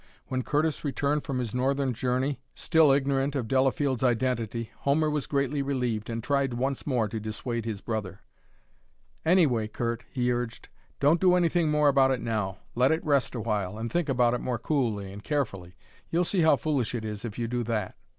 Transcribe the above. When Curtis returned from his northern journey, still ignorant of Delafield's identity, Homer was greatly relieved, and tried once more to dissuade his brother. "Anyway, Curt," he urged, "don't do anything more about it now. Let it rest a while, and think about it more coolly and carefully; you'll see how foolish it is if you do that."